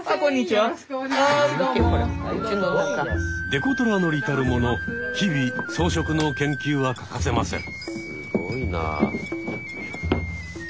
デコトラ乗りたるもの日々装飾の研究は欠かせません。